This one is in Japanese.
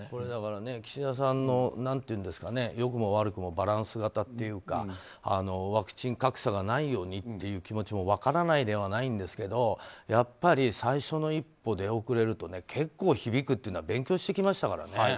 だから、岸田さんの良くも悪くもバランス型というかワクチン格差がないようにっていう気持ちも分からないではないんですけどやっぱり最初の一歩出遅れると結構響くのは勉強してきましたからね。